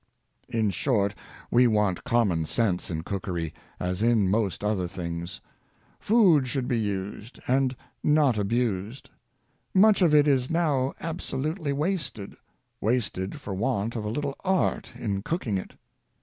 In short, we want common sense in cookery, as in most other things. Food should be used, and not abused. Much of it is now absolutely wasted — wasted for want of a little art in cooking it.